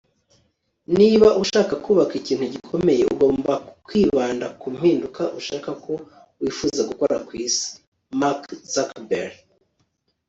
niba ushaka kubaka ikintu gikomeye, ugomba kwibanda ku mpinduka ushaka ko wifuza gukora ku isi. - mark zuckerberg